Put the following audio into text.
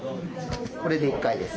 これで１回です。